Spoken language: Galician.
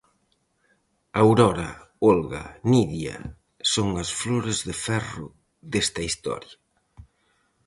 Aurora, Olga, Nidia... son as flores de ferro desta historia.